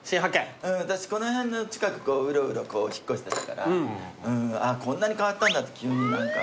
私この辺の近くうろうろ引っ越してたからこんなに変わったんだって急に何か。